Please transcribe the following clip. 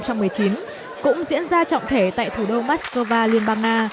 cũng diễn ra trọng thể tại thủ đô moscow liên bang nga